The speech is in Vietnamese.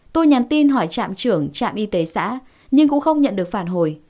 tôi nhắn tin hỏi trạm trưởng trạm y tế xã nhưng cũng không nhận được phản hồi